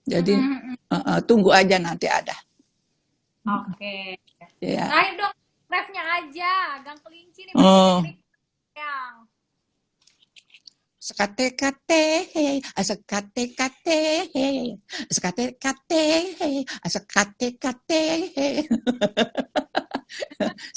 jadi tunggu aja nanti ada oke ya aja oh ya sekatekate sekatekate sekatekate sekatekate